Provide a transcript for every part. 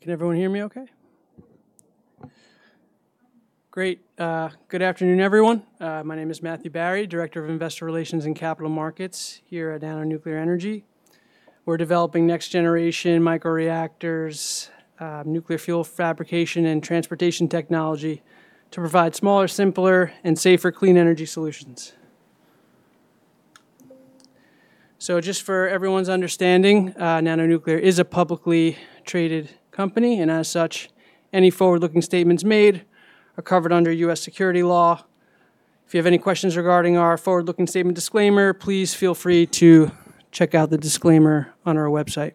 All right. Can everyone hear me okay? Great. Good afternoon, everyone. My name is Matthew Barry, Director of Investor Relations and Capital Markets here at NANO Nuclear Energy. We're developing next-generation micro-reactors, nuclear fuel fabrication, and transportation technology to provide smaller, simpler, and safer clean energy solutions. So just for everyone's understanding, NANO Nuclear is a publicly traded company, and as such, any forward-looking statements made are covered under U.S. securities law. If you have any questions regarding our forward-looking statement disclaimer, please feel free to check out the disclaimer on our website.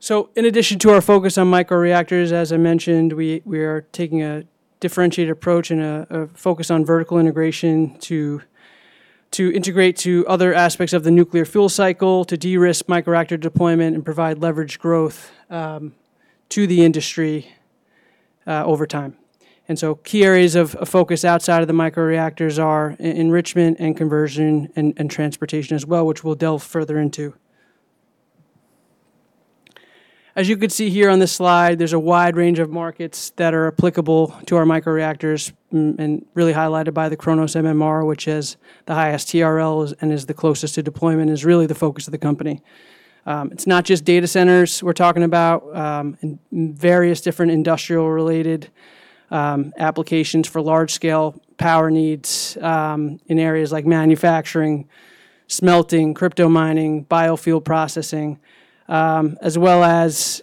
So in addition to our focus on micro-reactors, as I mentioned, we are taking a differentiated approach and a focus on vertical integration to integrate to other aspects of the nuclear fuel cycle to de-risk micro-reactor deployment and provide leveraged growth to the industry over time. And so key areas of focus outside of the micro-reactors are enrichment, conversion, and transportation as well, which we'll delve further into. As you can see here on this slide, there's a wide range of markets that are applicable to our micro-reactors and really highlighted by the KRONOS MMR, which has the highest TRLs and is the closest to deployment, is really the focus of the company. It's not just data centers we're talking about, various different industrial-related applications for large-scale power needs in areas like manufacturing, smelting, crypto mining, biofuel processing, as well as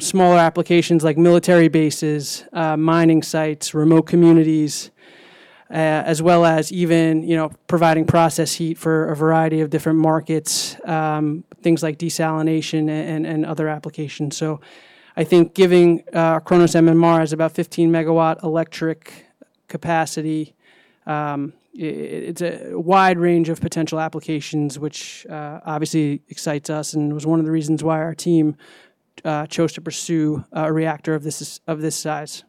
smaller applications like military bases, mining sites, remote communities, as well as even providing process heat for a variety of different markets, things like desalination and other applications. So I think giving KRONOS MMR has about 15 megawatt electric capacity. It's a wide range of potential applications, which obviously excites us and was one of the reasons why our team chose to pursue a reactor of this size.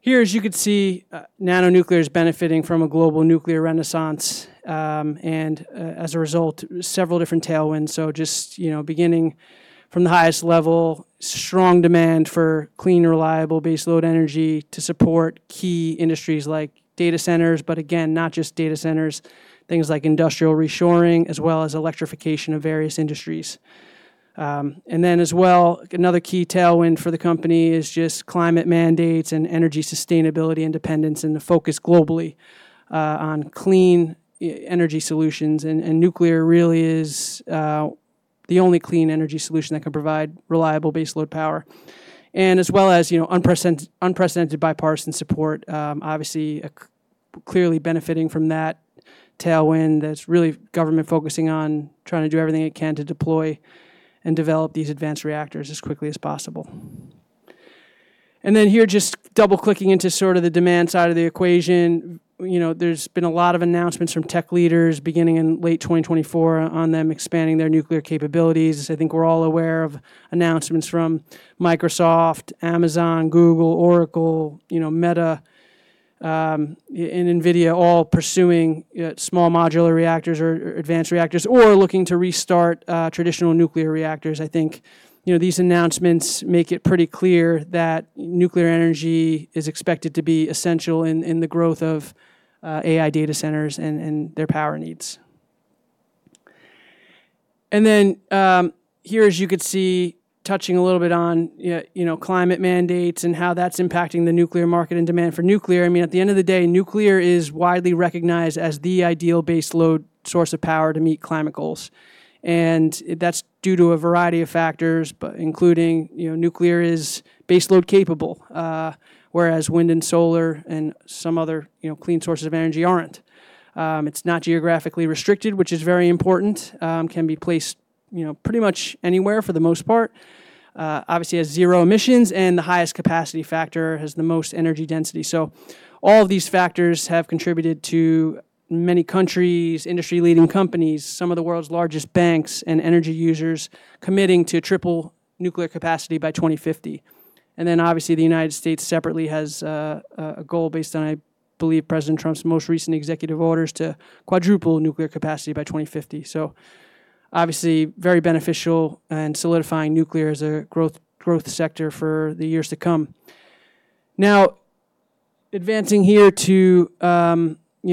Here, as you could see, NANO Nuclear is benefiting from a global nuclear renaissance and, as a result, several different tailwinds. So just beginning from the highest level, strong demand for clean, reliable base load energy to support key industries like data centers, but again, not just data centers, things like industrial reshoring as well as electrification of various industries. And then as well, another key tailwind for the company is just climate mandates and energy sustainability independence and the focus globally on clean energy solutions. And nuclear really is the only clean energy solution that can provide reliable base load power. And as well as unprecedented bipartisan support, obviously clearly benefiting from that tailwind that's really government focusing on trying to do everything it can to deploy and develop these advanced reactors as quickly as possible. And then here, just double-clicking into sort of the demand side of the equation, there's been a lot of announcements from tech leaders beginning in late 2024 on them expanding their nuclear capabilities. I think we're all aware of announcements from Microsoft, Amazon, Google, Oracle, Meta, and NVIDIA, all pursuing small modular reactors or advanced reactors or looking to restart traditional nuclear reactors. I think these announcements make it pretty clear that nuclear energy is expected to be essential in the growth of AI data centers and their power needs. And then here, as you could see, touching a little bit on climate mandates and how that's impacting the nuclear market and demand for nuclear. I mean, at the end of the day, nuclear is widely recognized as the ideal base load source of power to meet climate goals, and that's due to a variety of factors, including nuclear is base load capable, whereas wind and solar and some other clean sources of energy aren't. It's not geographically restricted, which is very important. It can be placed pretty much anywhere for the most part, obviously has zero emissions and the highest capacity factor, has the most energy density. So all of these factors have contributed to many countries, industry-leading companies, some of the world's largest banks and energy users committing to triple nuclear capacity by 2050, and then obviously the United States separately has a goal based on, I believe, President Trump's most recent executive orders to quadruple nuclear capacity by 2050. So obviously very beneficial and solidifying nuclear as a growth sector for the years to come. Now, advancing here to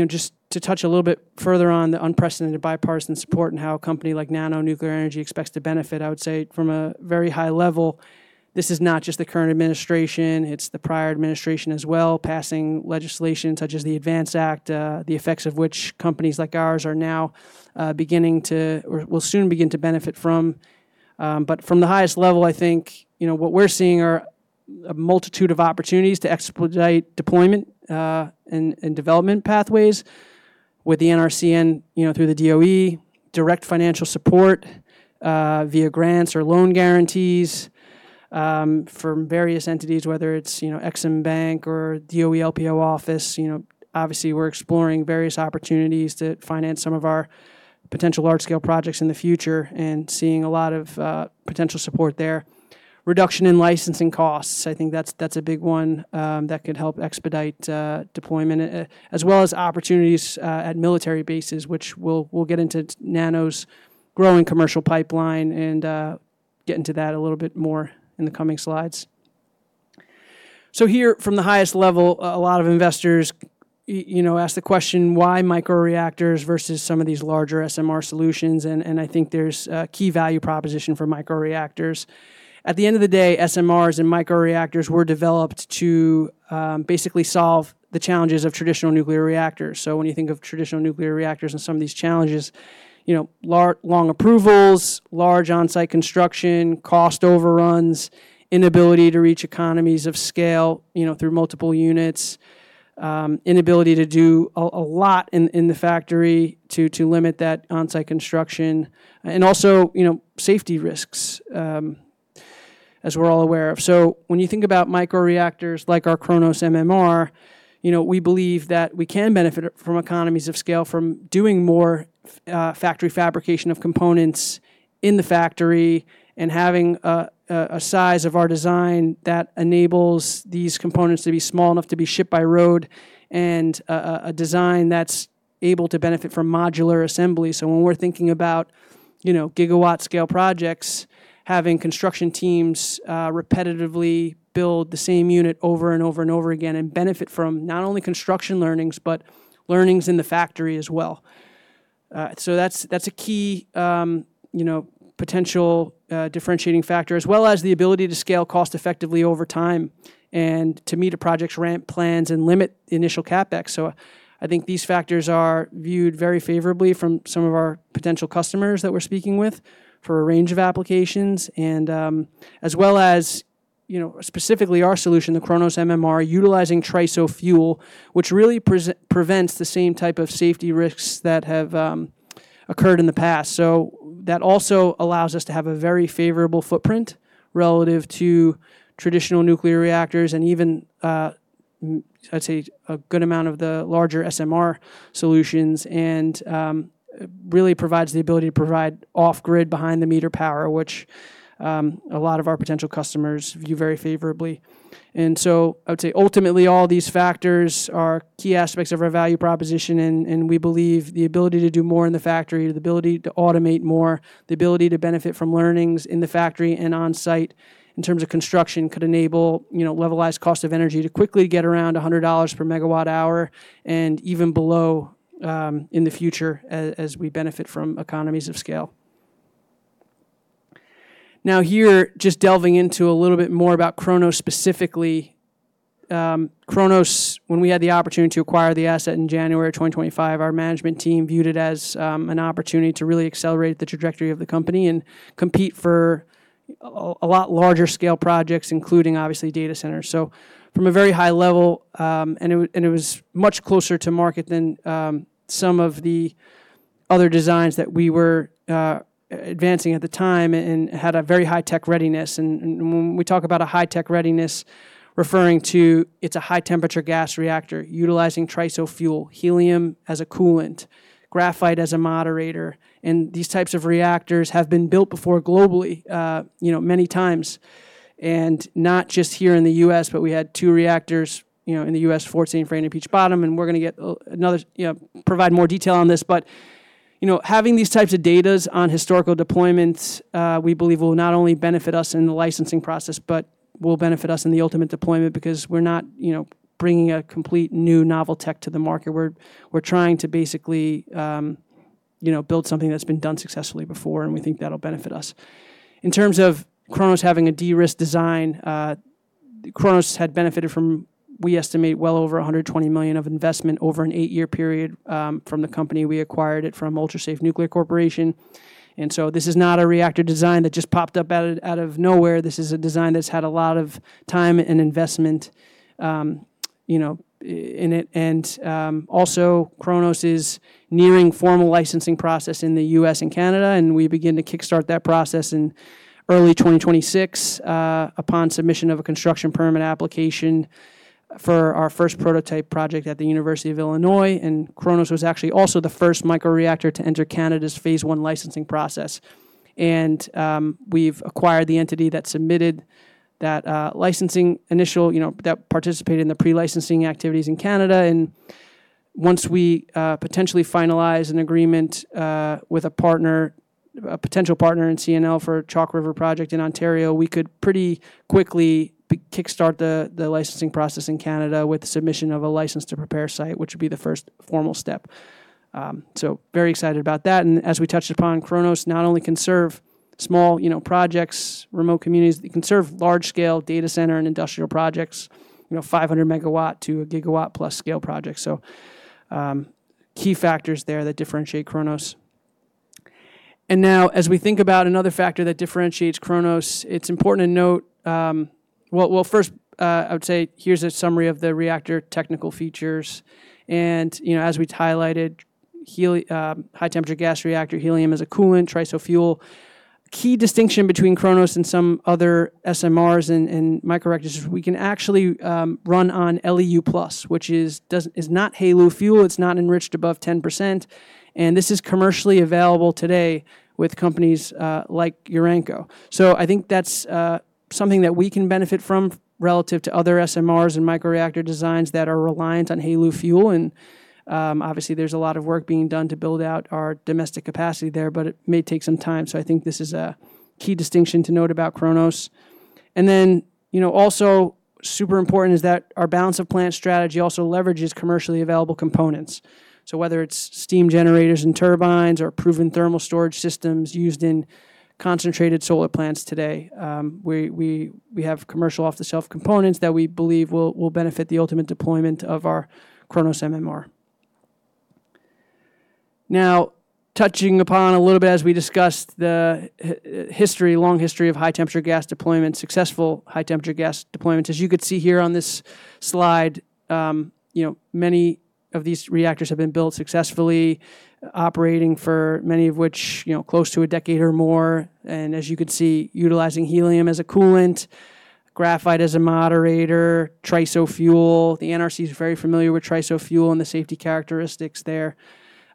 just to touch a little bit further on the unprecedented bipartisan support and how a company like NANO Nuclear Energy expects to benefit, I would say from a very high level, this is not just the current administration, it's the prior administration as well, passing legislation such as the ADVANCE Act, the effects of which companies like ours are now beginning to, will soon begin to benefit from. But from the highest level, I think what we're seeing are a multitude of opportunities to expedite deployment and development pathways with the NRC and through the DOE, direct financial support via grants or loan guarantees from various entities, whether it's EXIM Bank or DOE LPO office. Obviously, we're exploring various opportunities to finance some of our potential large-scale projects in the future and seeing a lot of potential support there. Reduction in licensing costs, I think that's a big one that can help expedite deployment, as well as opportunities at military bases, which we'll get into NANO's growing commercial pipeline and get into that a little bit more in the coming slides. So here from the highest level, a lot of investors ask the question, why micro-reactors versus some of these larger SMR solutions? And I think there's a key value proposition for micro-reactors. At the end of the day, SMRs and micro-reactors were developed to basically solve the challenges of traditional nuclear reactors. So when you think of traditional nuclear reactors and some of these challenges, long approvals, large on-site construction, cost overruns, inability to reach economies of scale through multiple units, inability to do a lot in the factory to limit that on-site construction, and also safety risks as we're all aware of. So when you think about micro-reactors like our KRONOS MMR, we believe that we can benefit from economies of scale from doing more factory fabrication of components in the factory and having a size of our design that enables these components to be small enough to be shipped by road and a design that's able to benefit from modular assembly. So when we're thinking about gigawatt-scale projects, having construction teams repetitively build the same unit over and over and over again and benefit from not only construction learnings, but learnings in the factory as well. That's a key potential differentiating factor, as well as the ability to scale cost effectively over time and to meet a project's ramp plans and limit initial CapEx. I think these factors are viewed very favorably from some of our potential customers that we're speaking with for a range of applications, and as well as specifically our solution, the KRONOS MMR, utilizing TRISO fuel, which really prevents the same type of safety risks that have occurred in the past. That also allows us to have a very favorable footprint relative to traditional nuclear reactors and even, I'd say, a good amount of the larger SMR solutions and really provides the ability to provide off-grid behind-the-meter power, which a lot of our potential customers view very favorably. And so I would say ultimately all these factors are key aspects of our value proposition, and we believe the ability to do more in the factory, the ability to automate more, the ability to benefit from learnings in the factory and on-site in terms of construction could enable levelized cost of energy to quickly get around $100 per megawatt-hour and even below in the future as we benefit from economies of scale. Now here, just delving into a little bit more about KRONOS specifically, KRONOS, when we had the opportunity to acquire the asset in January 2025, our management team viewed it as an opportunity to really accelerate the trajectory of the company and compete for a lot larger scale projects, including obviously data centers. From a very high level, it was much closer to market than some of the other designs that we were advancing at the time and had a very high tech readiness. When we talk about a high tech readiness, referring to it's a high temperature gas reactor utilizing TRISO fuel, helium as a coolant, graphite as a moderator. These types of reactors have been built before globally many times, and not just here in the U.S., but we had two reactors in the U.S., Fort St. Vrain, Peach Bottom, and we're going to provide more detail on this. Having these types of data on historical deployments, we believe will not only benefit us in the licensing process, but will benefit us in the ultimate deployment because we're not bringing a complete new novel tech to the market. We're trying to basically build something that's been done successfully before, and we think that'll benefit us. In terms of KRONOS having a de-risk design, KRONOS had benefited from, we estimate, well over $120 million of investment over an eight-year period from the company we acquired it from Ultra Safe Nuclear Corporation. And so this is not a reactor design that just popped up out of nowhere. This is a design that's had a lot of time and investment in it. And also KRONOS is nearing formal licensing process in the U.S. and Canada, and we begin to kickstart that process in early 2026 upon submission of a construction permit application for our first prototype project at the University of Illinois. And KRONOS was actually also the first micro-reactor to enter Canada's phase one licensing process. And we've acquired the entity that submitted that licensing initial that participated in the pre-licensing activities in Canada. And once we potentially finalize an agreement with a potential partner in CNL for Chalk River project in Ontario, we could pretty quickly kickstart the licensing process in Canada with the submission of a license to prepare site, which would be the first formal step. So very excited about that. And as we touched upon, KRONOS not only can serve small projects, remote communities, it can serve large-scale data center and industrial projects, 500-megawatt to 1 gigawatt-plus scale projects. So key factors there that differentiate KRONOS. And now as we think about another factor that differentiates KRONOS, it's important to note, well, first I would say here's a summary of the reactor technical features. And as we highlighted, high-temperature gas reactor, helium as a coolant, TRISO fuel. Key distinction between KRONOS and some other SMRs and micro-reactors is we can actually run on LEU+, which is not HALEU fuel. It's not enriched above 10%. And this is commercially available today with companies like Urenco. So I think that's something that we can benefit from relative to other SMRs and micro-reactor designs that are reliant on HALEU fuel. And obviously there's a lot of work being done to build out our domestic capacity there, but it may take some time. So I think this is a key distinction to note about KRONOS. And then also super important is that our balance of plant strategy also leverages commercially available components. So whether it's steam generators and turbines or proven thermal storage systems used in concentrated solar plants today, we have commercial off-the-shelf components that we believe will benefit the ultimate deployment of our KRONOS MMR. Now, touching upon a little bit, as we discussed, the history, long history, of high-temperature gas deployment, successful high-temperature gas deployments. As you could see here on this slide, many of these reactors have been built successfully, operating for many of which close to a decade or more. And as you could see, utilizing helium as a coolant, graphite as a moderator, TRISO fuel. The NRC is very familiar with TRISO fuel and the safety characteristics there.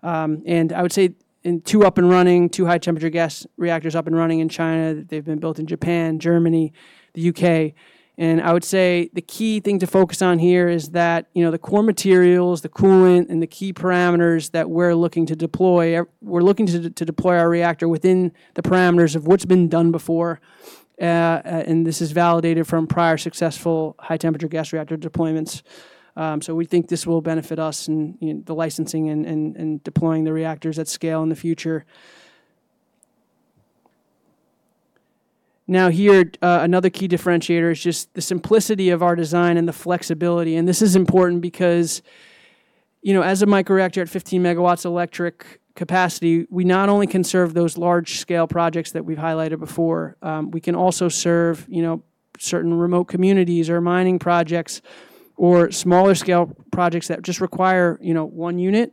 And I would say in two up and running, two high-temperature gas reactors up and running in China, they've been built in Japan, Germany, the UK. And I would say the key thing to focus on here is that the core materials, the coolant, and the key parameters that we're looking to deploy, we're looking to deploy our reactor within the parameters of what's been done before. And this is validated from prior successful high temperature gas reactor deployments. So we think this will benefit us in the licensing and deploying the reactors at scale in the future. Now here, another key differentiator is just the simplicity of our design and the flexibility. And this is important because as a micro-reactor at 15 megawatts electric capacity, we not only can serve those large scale projects that we've highlighted before, we can also serve certain remote communities or mining projects or smaller scale projects that just require one unit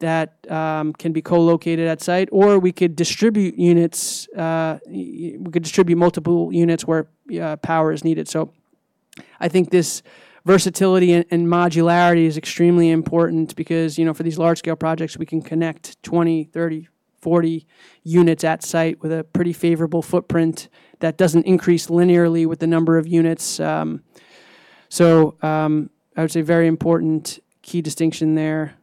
that can be co-located at site, or we could distribute units, we could distribute multiple units where power is needed. So I think this versatility and modularity is extremely important because for these large scale projects, we can connect 20, 30, 40 units at site with a pretty favorable footprint that doesn't increase linearly with the number of units. So I would say very important key distinction there,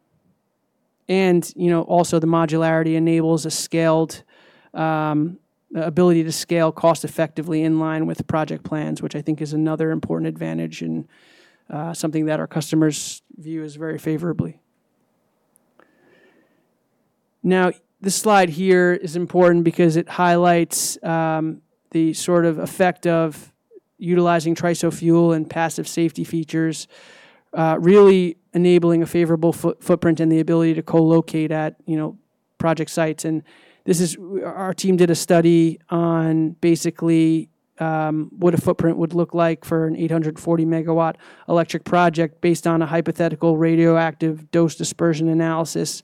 and also the modularity enables an ability to scale cost effectively in line with project plans, which I think is another important advantage and something that our customers view as very favorably. Now this slide here is important because it highlights the sort of effect of utilizing TRISO fuel and passive safety features, really enabling a favorable footprint and the ability to co-locate at project sites, and our team did a study on basically what a footprint would look like for an 840 megawatt electric project based on a hypothetical radioactive dose dispersion analysis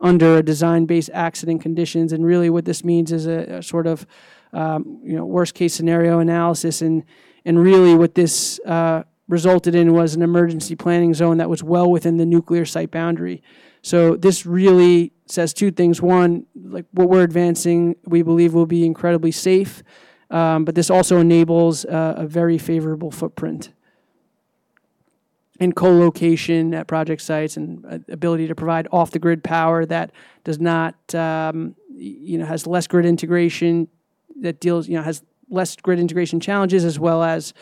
under design-basis accident conditions, and really what this means is a sort of worst-case scenario analysis, and really what this resulted in was an emergency planning zone that was well within the nuclear site boundary, so this really says two things. One, what we're advancing, we believe will be incredibly safe, but this also enables a very favorable footprint and co-location at project sites and ability to provide off-the-grid power that has less grid integration challenges, as well as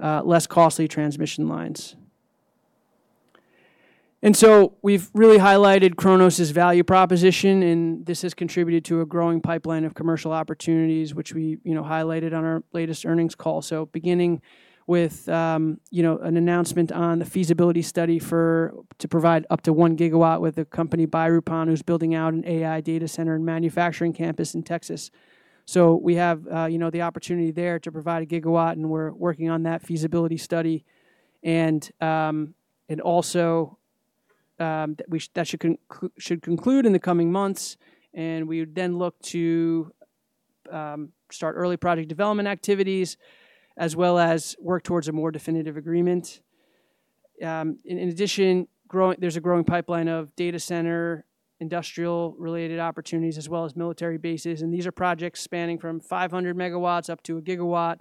less costly transmission lines, and so we've really highlighted KRONOS' value proposition, and this has contributed to a growing pipeline of commercial opportunities, which we highlighted on our latest earnings call, so beginning with an announcement on the feasibility study to provide up to one gigawatt with a company BaRupOn, who's building out an AI data center and manufacturing campus in Texas, so we have the opportunity there to provide a gigawatt, and we're working on that feasibility study. And also that should conclude in the coming months, and we would then look to start early project development activities, as well as work towards a more definitive agreement. In addition, there's a growing pipeline of data center, industrial related opportunities, as well as military bases. And these are projects spanning from 500 megawatts up to 1 gigawatt,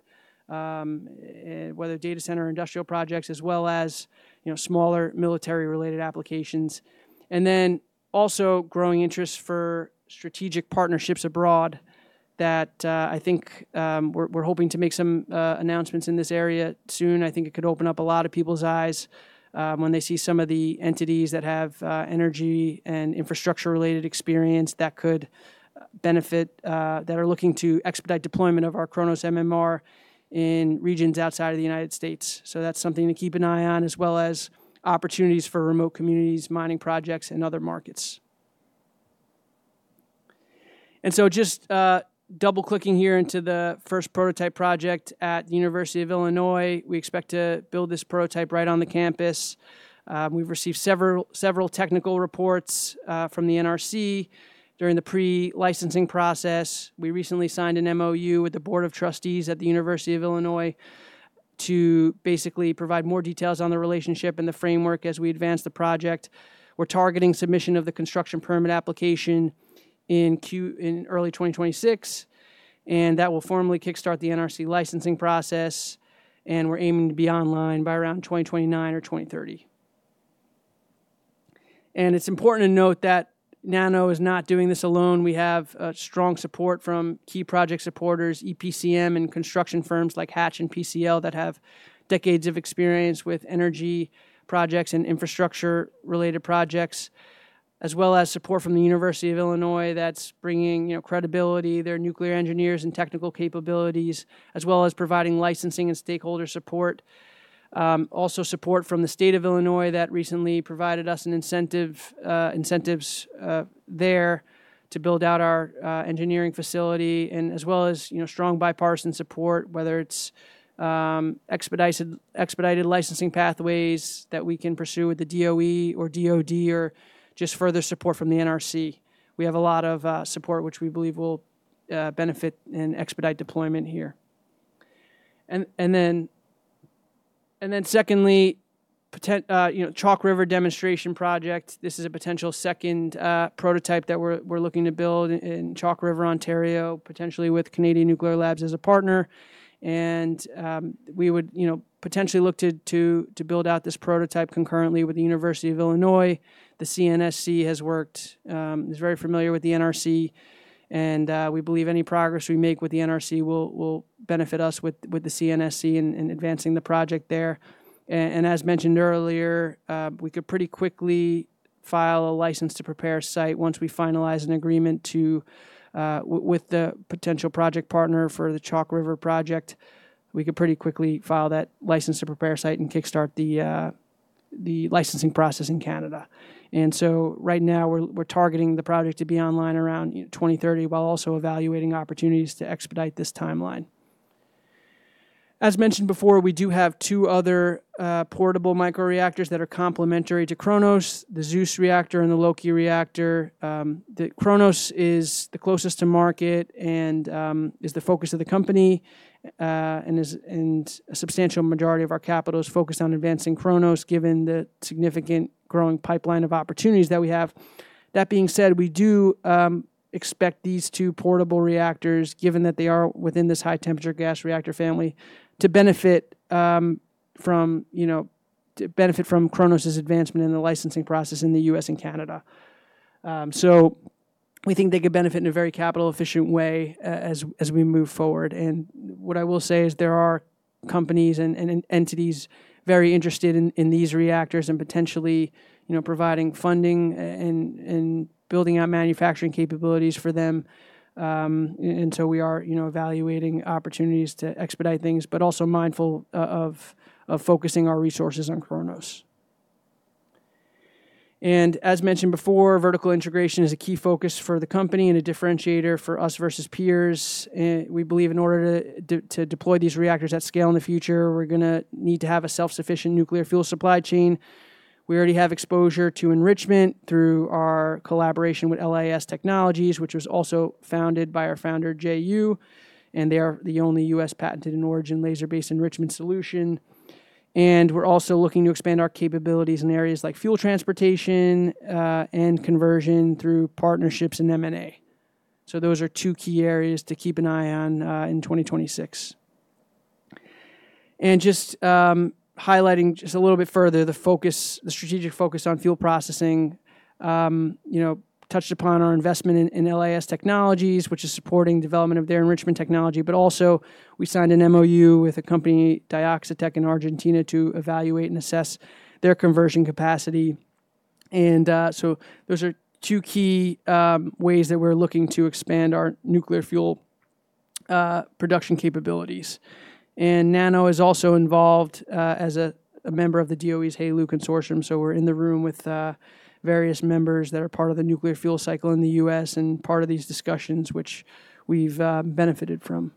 whether data center or industrial projects, as well as smaller military-related applications. And then also growing interest for strategic partnerships abroad that I think we're hoping to make some announcements in this area soon. I think it could open up a lot of people's eyes when they see some of the entities that have energy and infrastructure related experience that could benefit, that are looking to expedite deployment of our KRONOS MMR in regions outside of the United States. So that's something to keep an eye on, as well as opportunities for remote communities, mining projects, and other markets. And so just double clicking here into the first prototype project at the University of Illinois, we expect to build this prototype right on the campus. We've received several technical reports from the NRC during the pre-licensing process. We recently signed an MOU with the Board of Trustees at the University of Illinois to basically provide more details on the relationship and the framework as we advance the project. We're targeting submission of the construction permit application in early 2026, and that will formally kickstart the NRC licensing process. And we're aiming to be online by around 2029 or 2030. And it's important to note that NANO is not doing this alone. We have strong support from key project supporters, EPCM and construction firms like Hatch and PCL that have decades of experience with energy projects and infrastructure-related projects, as well as support from the University of Illinois, that's bringing credibility, their nuclear engineers and technical capabilities, as well as providing licensing and stakeholder support. Also, support from the state of Illinois that recently provided us incentives there to build out our engineering facility, and as well as strong bipartisan support, whether it's expedited licensing pathways that we can pursue with the DOE or DOD, or just further support from the NRC. We have a lot of support, which we believe will benefit and expedite deployment here. And then secondly, Chalk River demonstration project. This is a potential second prototype that we're looking to build in Chalk River, Ontario, potentially with Canadian Nuclear Laboratories as a partner. We would potentially look to build out this prototype concurrently with the University of Illinois. The CNSC has worked, is very familiar with the NRC, and we believe any progress we make with the NRC will benefit us with the CNSC in advancing the project there. As mentioned earlier, we could pretty quickly file a license to prepare site once we finalize an agreement with the potential project partner for the Chalk River project. We could pretty quickly file that license to prepare site and kickstart the licensing process in Canada. Right now we're targeting the project to be online around 2030 while also evaluating opportunities to expedite this timeline. As mentioned before, we do have two other portable micro-reactors that are complementary to KRONOS, the ZEUS reactor and the LOKI reactor. KRONOS is the closest to market and is the focus of the company, and a substantial majority of our capital is focused on advancing KRONOS given the significant growing pipeline of opportunities that we have. That being said, we do expect these two portable reactors, given that they are within this high temperature gas reactor family, to benefit from KRONOS' advancement in the licensing process in the U.S. and Canada, so we think they could benefit in a very capital efficient way as we move forward, and what I will say is there are companies and entities very interested in these reactors and potentially providing funding and building out manufacturing capabilities for them, and so we are evaluating opportunities to expedite things, but also mindful of focusing our resources on KRONOS. As mentioned before, vertical integration is a key focus for the company and a differentiator for us versus peers. We believe in order to deploy these reactors at scale in the future, we're going to need to have a self-sufficient nuclear fuel supply chain. We already have exposure to enrichment through our collaboration with LIS Technologies, which was also founded by our founder, Jay Yu. They are the only U.S.-patented and origin laser-based enrichment solution. We're also looking to expand our capabilities in areas like fuel transportation and conversion through partnerships in M&A. Those are two key areas to keep an eye on in 2026. Just highlighting just a little bit further the strategic focus on fuel processing, touched upon our investment in LIS Technologies, which is supporting development of their enrichment technology, but also we signed an MOU with a company, Dioxitek in Argentina, to evaluate and assess their conversion capacity. And so those are two key ways that we're looking to expand our nuclear fuel production capabilities. NANO is also involved as a member of the DOE's HALEU Consortium. We're in the room with various members that are part of the nuclear fuel cycle in the U.S. and part of these discussions, which we've benefited from.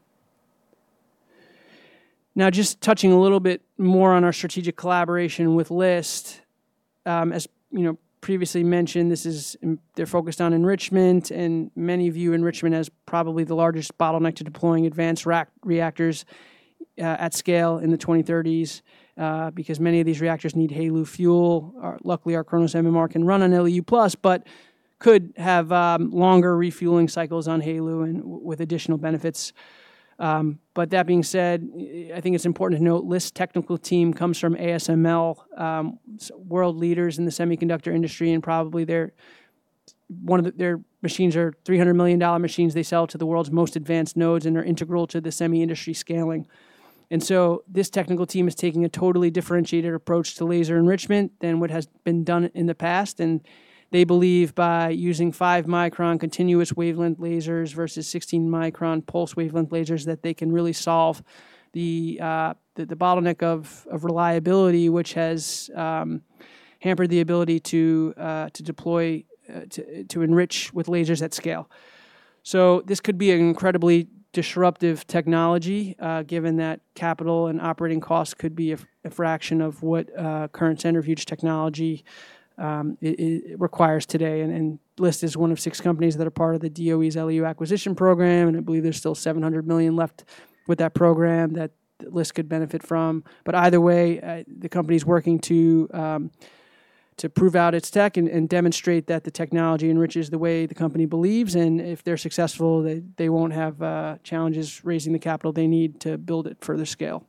Now just touching a little bit more on our strategic collaboration with LIS. As previously mentioned, they're focused on enrichment, and many view enrichment as probably the largest bottleneck to deploying advanced reactors at scale in the 2030s because many of these reactors need HALEU fuel. Luckily, our KRONOS MMR can run on LEU Plus, but could have longer refueling cycles on HALEU with additional benefits. But that being said, I think it's important to note LIS's technical team comes from ASML, world leaders in the semiconductor industry, and probably their machines are $300 million machines they sell to the world's most advanced nodes and are integral to the semi-industry scaling. And so this technical team is taking a totally differentiated approach to laser enrichment than what has been done in the past. They believe by using five-micron continuous wavelength lasers versus 16-micron pulse wavelength lasers that they can really solve the bottleneck of reliability, which has hampered the ability to deploy, to enrich with lasers at scale. This could be an incredibly disruptive technology given that capital and operating costs could be a fraction of what current centrifuge technology requires today. LIS is one of six companies that are part of the DOE's LEU acquisition program. I believe there's still $700 million left with that program that LIS could benefit from. Either way, the company is working to prove out its tech and demonstrate that the technology enriches the way the company believes. If they're successful, they won't have challenges raising the capital they need to build it further scale.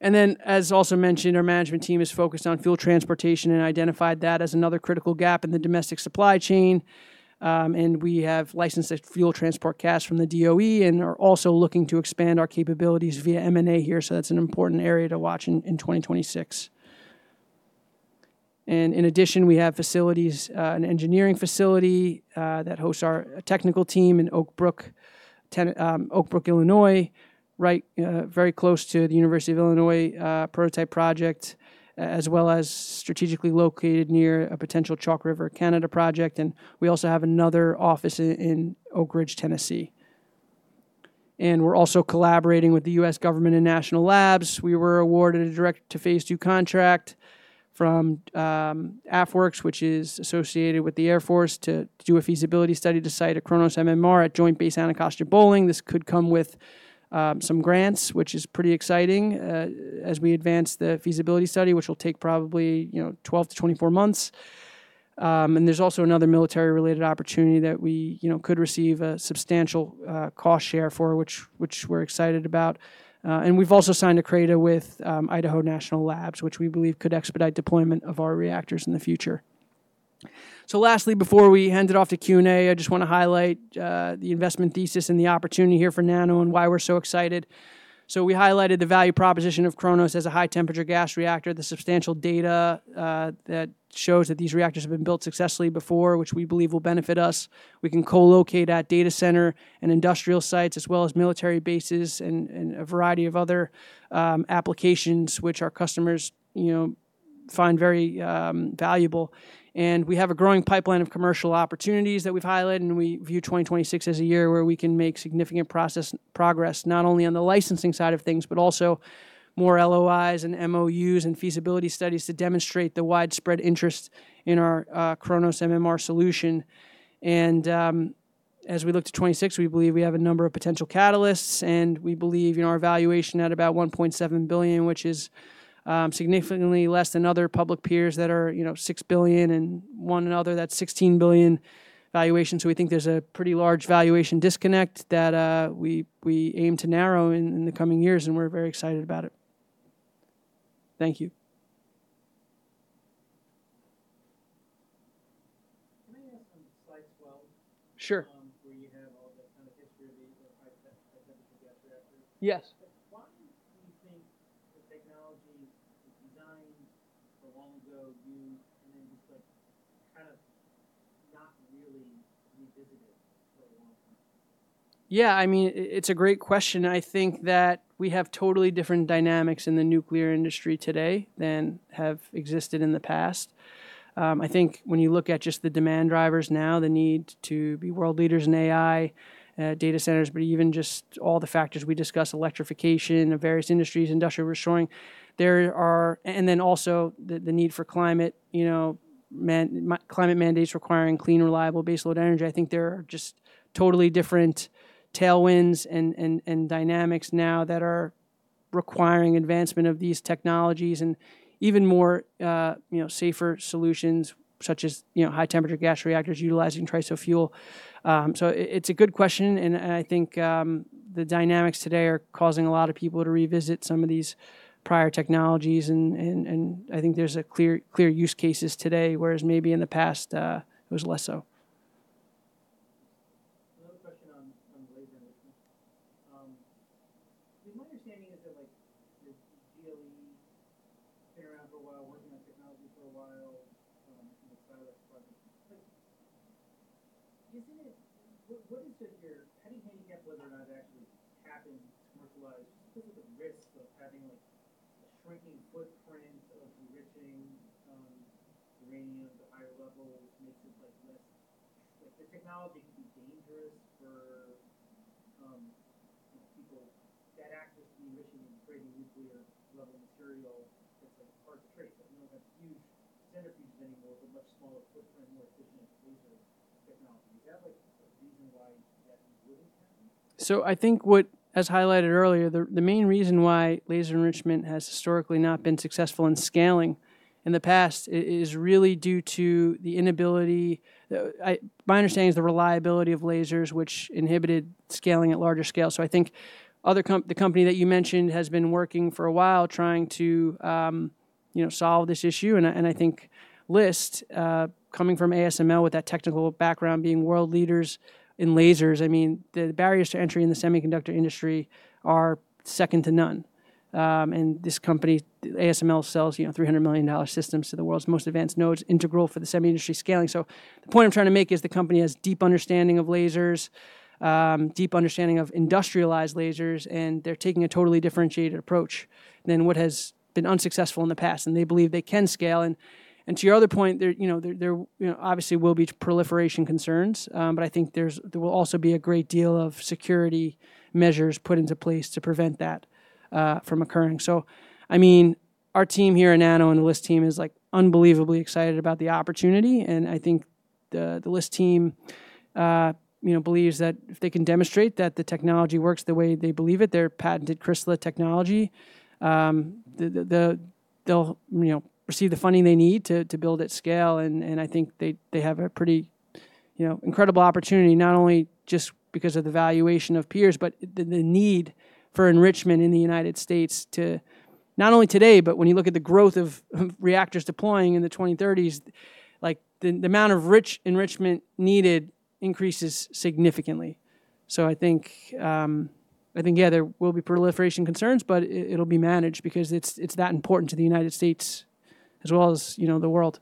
And then, as also mentioned, our management team is focused on fuel transportation and identified that as another critical gap in the domestic supply chain. We have licensed fuel transport casks from the DOE and are also looking to expand our capabilities via M&A here. That's an important area to watch in 2026. In addition, we have facilities, an engineering facility that hosts our technical team in Oak Brook, Illinois, right very close to the University of Illinois prototype project, as well as strategically located near a potential Chalk River, Canada project. We also have another office in Oak Ridge, Tennessee. We're also collaborating with the U.S. government and national labs. We were awarded a direct-to-phase two contract from AFWERX, which is associated with the Air Force, to do a feasibility study to site a KRONOS MMR at Joint Base Anacostia-Bolling. This could come with some grants, which is pretty exciting as we advance the feasibility study, which will take probably 12-24 months. And there's also another military-related opportunity that we could receive a substantial cost share for, which we're excited about. And we've also signed a CRADA with Idaho National Laboratory, which we believe could expedite deployment of our reactors in the future. So lastly, before we hand it off to Q&A, I just want to highlight the investment thesis and the opportunity here for NANO and why we're so excited. So we highlighted the value proposition of KRONOS as a high temperature gas reactor, the substantial data that shows that these reactors have been built successfully before, which we believe will benefit us. We can co-locate at data center and industrial sites, as well as military bases and a variety of other applications, which our customers find very valuable. And we have a growing pipeline of commercial opportunities that we've highlighted, and we view 2026 as a year where we can make significant progress, not only on the licensing side of things, but also more LOIs and MOUs and feasibility studies to demonstrate the widespread interest in our KRONOS MMR solution. And as we look to 2026, we believe we have a number of potential catalysts, and we believe in our valuation at about $1.7 billion, which is significantly less than other public peers that are $6 billion and one another, that's $16 billion valuation. So we think there's a pretty large valuation disconnect that we aim to narrow in the coming years, and we're very excited about it. Thank you. Can I ask on slide 12? Sure. Where you have all the kind of history of the high-temperature gas reactor. Yes. Why do you think the technology was designed so long ago and then just? Yeah, I mean, it's a great question. I think that we have totally different dynamics in the nuclear industry today than have existed in the past. I think when you look at just the demand drivers now, the need to be world leaders in AI, data centers, but even just all the factors we discussed, electrification of various industries, industrial reshoring, and then also the need for climate mandates requiring clean, reliable baseload energy. I think there are just totally different tailwinds and dynamics now that are requiring advancement of these technologies and even more safer solutions, such as high-temperature gas reactors utilizing TRISO fuel. So it's a good question, and I think the dynamics today are causing a lot of people to revisit some of these prior technologies. And I think there's clear use cases today, whereas maybe in the past it was less so. Another question on laser enrichment. My understanding is that DOE's been around for a while, working on technology for a while in the isotopes department. What is your heavy handicap whether or not it actually happens, commercialized, specifically the risk of having a shrinking footprint of enriching uranium to higher levels makes it less the technology could be dangerous for people that access to the enriching and creating nuclear level material that's hard to trace. We don't have huge centrifuges anymore, but much smaller footprint, more efficient laser technology. Is that a reason why that wouldn't happen? I think what was highlighted earlier, the main reason why laser enrichment has historically not been successful in scaling in the past is really due to the inability, my understanding is, the reliability of lasers, which inhibited scaling at larger scale. I think the company that you mentioned has been working for a while trying to solve this issue. I think LIS, coming from ASML with that technical background being world leaders in lasers, I mean, the barriers to entry in the semiconductor industry are second to none. This company, ASML, sells $300 million systems to the world's most advanced nodes, integral for the semi-industry scaling. The point I'm trying to make is the company has a deep understanding of lasers, deep understanding of industrialized lasers, and they're taking a totally differentiated approach than what has been unsuccessful in the past. And they believe they can scale. And to your other point, there obviously will be proliferation concerns, but I think there will also be a great deal of security measures put into place to prevent that from occurring. So I mean, our team here at NANO and the LIS team is unbelievably excited about the opportunity. And I think the LIS team believes that if they can demonstrate that the technology works the way they believe it, their patented CRISLA technology, they'll receive the funding they need to build at scale. And I think they have a pretty incredible opportunity, not only just because of the valuation of peers, but the need for enrichment in the United States, not only today, but when you look at the growth of reactors deploying in the 2030s, the amount of enrichment needed increases significantly. I think, yeah, there will be proliferation concerns, but it'll be managed because it's that important to the United States as well as the world.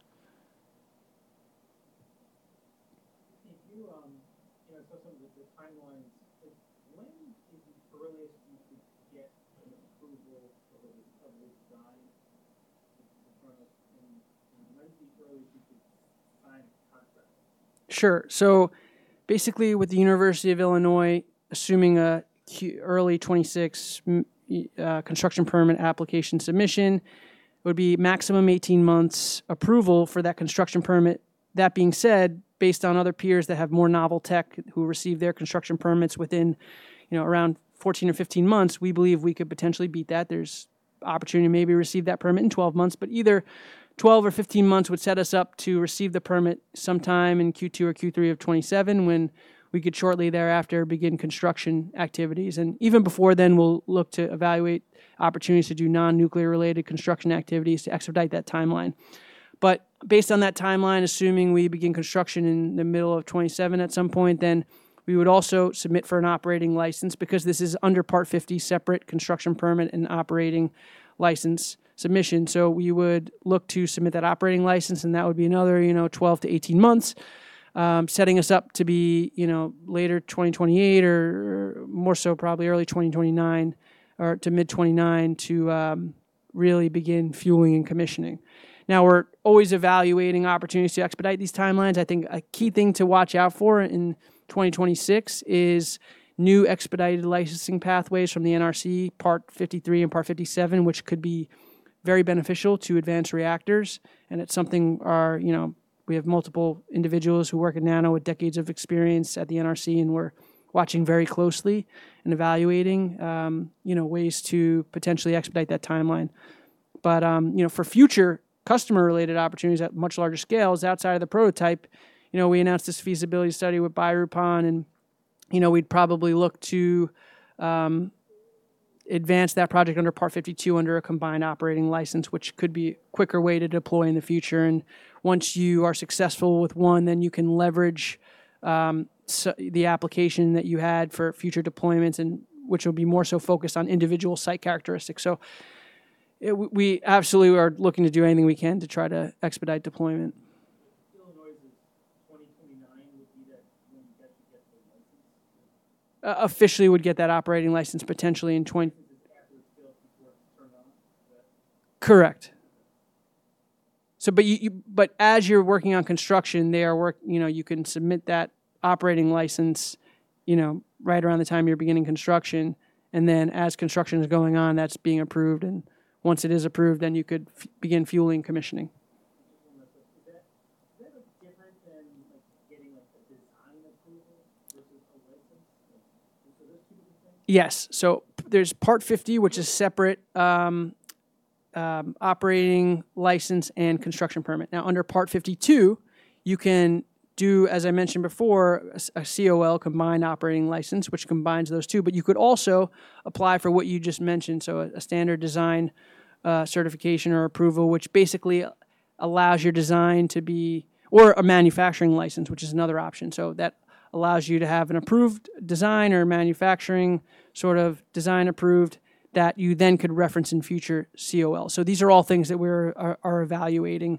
If you discuss some of the timelines, when is the earliest you could get approval of this design with KRONOS? And when is the earliest you could sign a contract? Sure. Basically, with the University of Illinois, assuming an early 2026 construction permit application submission, it would be maximum 18 months approval for that construction permit. That being said, based on other peers that have more novel tech who receive their construction permits within around 14 or 15 months, we believe we could potentially beat that. There's opportunity to maybe receive that permit in 12 months, but either 12 or 15 months would set us up to receive the permit sometime in Q2 or Q3 of 2027, when we could shortly thereafter begin construction activities, and even before then, we'll look to evaluate opportunities to do non-nuclear-related construction activities to expedite that timeline, but based on that timeline, assuming we begin construction in the middle of 2027 at some point, then we would also submit for an operating license because this is under Part 50 separate construction permit and operating license submission, so we would look to submit that operating license, and that would be another 12 to 18 months, setting us up to be later 2028 or more so, probably early 2029 or to mid-2029 to really begin fueling and commissioning. Now, we're always evaluating opportunities to expedite these timelines. I think a key thing to watch out for in 2026 is new expedited licensing pathways from the NRC, Part 53 and Part 57, which could be very beneficial to advanced reactors, and it's something we have multiple individuals who work at NANO with decades of experience at the NRC, and we're watching very closely and evaluating ways to potentially expedite that timeline, but for future customer-related opportunities at much larger scales outside of the prototype, we announced this feasibility study with BaRupOn, and we'd probably look to advance that project under Part 52 under a combined operating license, which could be a quicker way to deploy in the future, and once you are successful with one, then you can leverage the application that you had for future deployments, which will be more so focused on individual site characteristics. So we absolutely are looking to do anything we can to try to expedite deployment. Would be that when you guys would get the license? Officially, we would get that operating license potentially in [20]. Correct. But as you're working on construction, you can submit that operating license right around the time you're beginning construction. And then as construction is going on, that's being approved. And once it is approved, then you could begin fueling and commissioning. Yes. So there's Part 50, which is separate operating license and construction permit. Now, under Part 52, you can do, as I mentioned before, a COL, combined operating license, which combines those two. But you could also apply for what you just mentioned, so a standard design certification or approval, which basically allows your design to be or a manufacturing license, which is another option. So that allows you to have an approved design or a manufacturing sort of design approved that you then could reference in future COL. So these are all things that we're evaluating.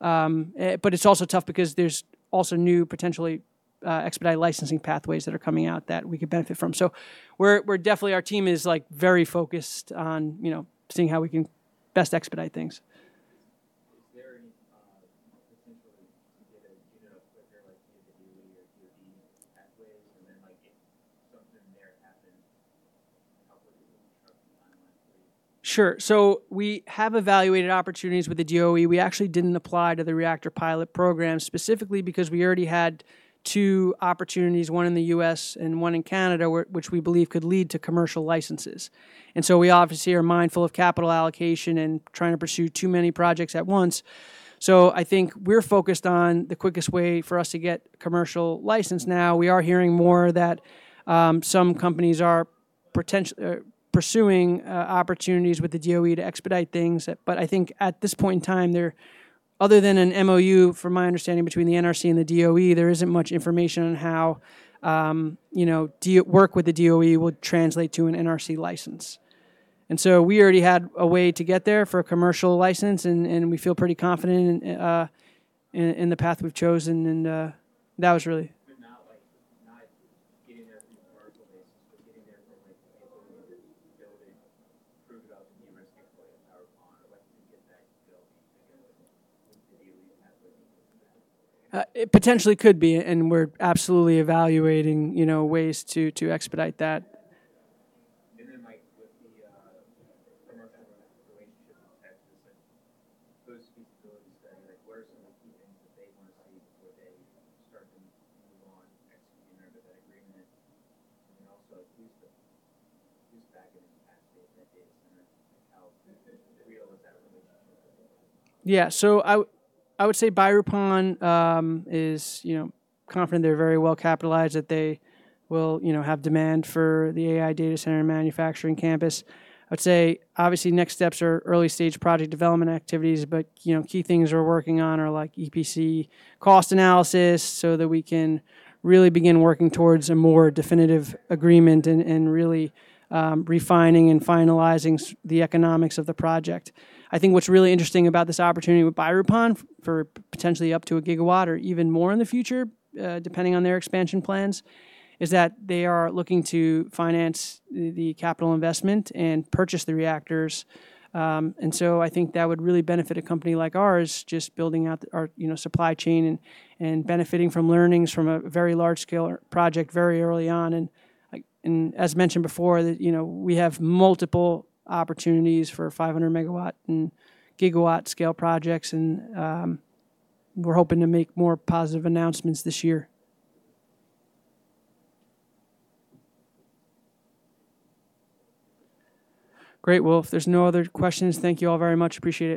But it's also tough because there's also new potentially expedited licensing pathways that are coming out that we could benefit from. So our team is very focused on seeing how we can best expedite things. Is there any potential to get a unit of equipment like DOE or DOD pathways? And then if something there happens Sure. So we have evaluated opportunities with the DOE. We actually didn't apply to the reactor pilot program specifically because we already had two opportunities, one in the U.S. and one in Canada, which we believe could lead to commercial licenses. And so we obviously are mindful of capital allocation and trying to pursue too many projects at once. So I think we're focused on the quickest way for us to get commercial license. Now, we are hearing more that some companies are pursuing opportunities with the DOE to expedite things. But I think at this point in time, other than an MOU, from my understanding, between the NRC and the DOE, there isn't much information on how work with the DOE will translate to an NRC license. And so we already had a way to get there for a commercial license, and we feel pretty confident in the path we've chosen. And that was really. Not getting there through commercial basis, but getting there from a building approved by the [EMS play it out.] Potentially could be. And we're absolutely evaluating ways to expedite that. And then with the commercial relationship with Texas, those feasibility studies, what are some of the key things that they want to see before they start to move on, executing that agreement? And then also, who's backing the capacity of that data center? How real is that relationship? Yeah. So I would say BaRupOn is confident they're very well capitalized, that they will have demand for the AI data center and manufacturing campus. I would say, obviously, next steps are early-stage project development activities. But key things we're working on are EPC cost analysis so that we can really begin working towards a more definitive agreement and really refining and finalizing the economics of the project. I think what's really interesting about this opportunity with BaRupOn for potentially up to a gigawatt or even more in the future, depending on their expansion plans, is that they are looking to finance the capital investment and purchase the reactors. And so I think that would really benefit a company like ours, just building out our supply chain and benefiting from learnings from a very large-scale project very early on. And as mentioned before, we have multiple opportunities for 500-megawatt and gigawatt-scale projects. And we're hoping to make more positive announcements this year. Great. Well, if there's no other questions, thank you all very much. Appreciate it.